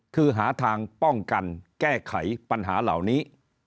คือหาทางป้องกันแก้ไขปัญหาเหล่านี้